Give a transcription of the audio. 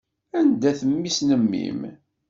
Anda-t mmi-s n mmi-m?